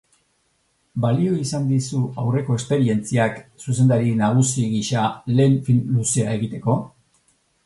Balio izan dizu aurreko esperientziak zuzendari nagusi gisa lehen film luzea egiteko?